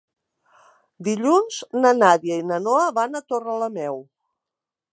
Dilluns na Nàdia i na Noa van a Torrelameu.